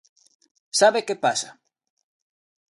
¿Sabe que pasa?